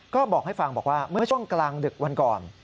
ก็บอกให้ฟังบอกว่าเมื่อช่วงกลางดึกวันก่อน